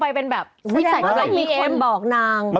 เปิดไลน์สิรังม่านานน่ะ